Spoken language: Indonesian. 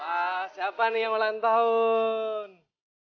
wah siapa nih yang ulang tahun